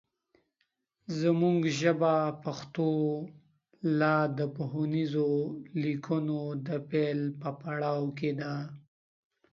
زمونږ ژبه پښتو لا د پوهنیزو لیکنو د پیل په پړاو کې ده